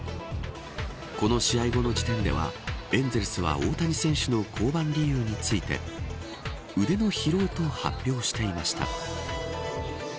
この試合後の時点ではエンゼルスは大谷選手の降板理由について腕の疲労と発表していました。